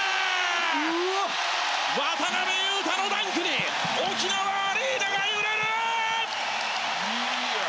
渡邊雄太のダンクに沖縄アリーナが揺れる！